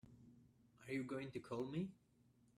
Are you going to call me?